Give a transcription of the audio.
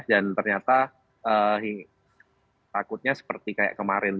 dan ternyata takutnya seperti kayak kemarin